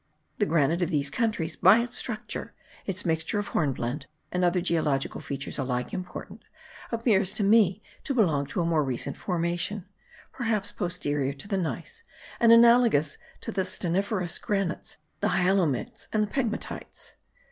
The granite of these countries, by its structure, its mixture of hornblende, and other geological features alike important, appears to me to belong to a more recent formation, perhaps posterior to the gneiss, and analogous to the stanniferous granites, the hyalomictes, and the pegmatites.